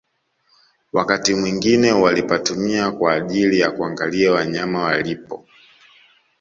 Wakati mwingie walipatumia kwa ajili ya kuangalia wanyama walipo